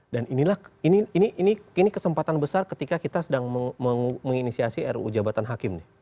dan inilah ini kesempatan besar ketika kita sedang menginisiasi ruu jabatan hakim nih